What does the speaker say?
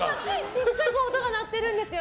小さく音が鳴ってるんですよ